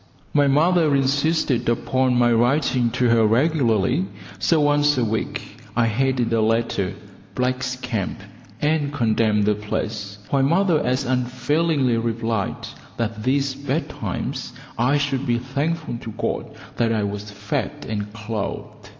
My mother insisted upon my writing to her regularly, so once a week I headed a letter "Black's Camp", and condemned the place, while mother as unfailingly replied that these bad times I should be thankful to God that I was fed and clothed.